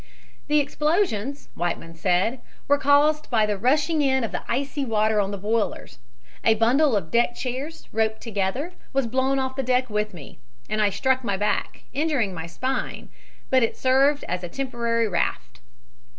"The explosions," Whiteman said; "were caused by the rushing in of the icy water on the boilers. A bundle of deck chairs, roped together, was blown off the deck with me, and I struck my back, injuring my spine, but it served as a temporary raft.